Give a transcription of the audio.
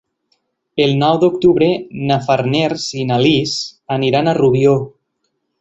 El nou d'octubre na Farners i na Lis aniran a Rubió.